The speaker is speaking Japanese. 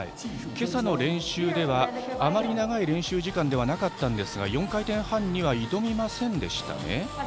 今朝の練習ではあまり長い練習時間ではなかったんですが４回転半には挑みませんでしたね。